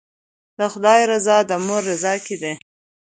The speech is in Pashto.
د خدای رضا د مور رضا کې ده.